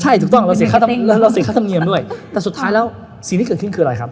ใช่ถูกต้องเราเสียค่าทำเนียมด้วยแต่สุดท้ายแล้วศีลที่เกิดขึ้นคืออะไรครับ